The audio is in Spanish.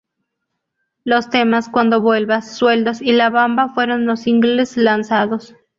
Los temas "Cuando vuelvas", "Sueldos" y "La bamba", fueron los singles lanzados.